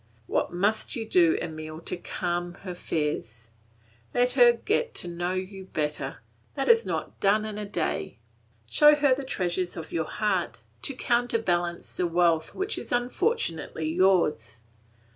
What must you do, Emile, to calm her fears? Let her get to know you better; that is not done in a day. Show her the treasures of your heart, to counterbalance the wealth which is unfortunately yours.